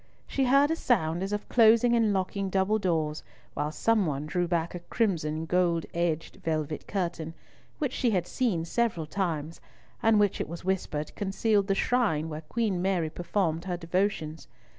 She heard a sound as of closing and locking double doors, while some one drew back a crimson, gold edged velvet curtain, which she had seen several times, and which it was whispered concealed the shrine where Queen Mary performed her devotions.